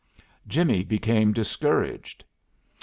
Jimmie became discouraged.